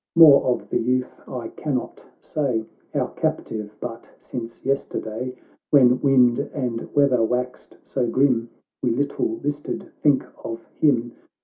More of the youth I cannot say, Our captive but since yesterday ; When wind and weather waxed so grim, We little listed think of him.